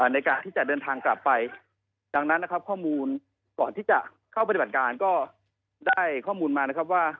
ในการที่จะเดินทางกลับไปดังนั้นนะครับข้อมูลก่อนที่จะเข้าปฏิบัติการก็ได้ข้อมูลมานะครับว่า